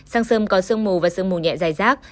sàng sơm có sương mù và sương mù nhẹ dài rác